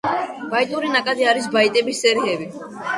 ბაიტური ნაკადი არის ბაიტების სერიები.